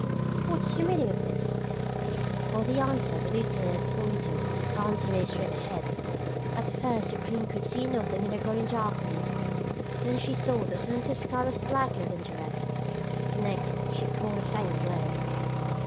"What is the meaning of this?" For answer the lieutenant pointed her antennae straight ahead. At first Supreme could see nothing in the growing darkness; then she saw that some of the sky was blacker than the rest. Next she caught a faint glow.